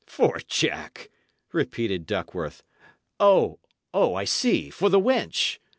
"For Jack!" repeated Duckworth. "O, I see, for the wench!